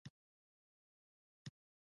هغه د خپل ملګري له ناسمې پرېکړې خواشینی دی!